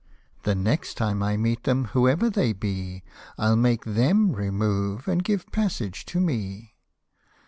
99 The next time I meet them, whoever they be, I'll make them remove to give passage to me.'